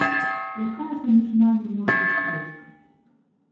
Якая паміж намі можа быць спрэчка?